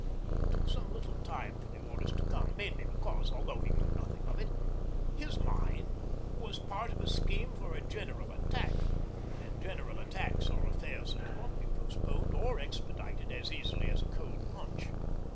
It took some little time for the orders to come, mainly because although he knew nothing of it his mine was part of a scheme for a general attack, and general attacks are affairs that cannot be postponed or expedited as easily as a cold lunch.